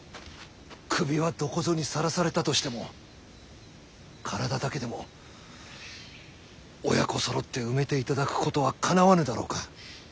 首はどこぞにさらされたとしても体だけでも親子そろって埋めていただくことはかなわぬだろうか。